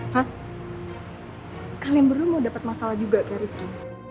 hah kalian baru mau dapat masalah juga rifki